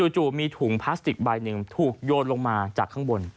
จู่มีถุงพลาสติกใบหนึ่งถูกโยนลงมาจากข้างบน